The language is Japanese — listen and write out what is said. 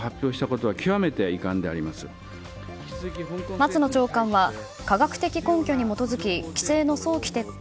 松野長官は科学的根拠に基づき規制の早期撤廃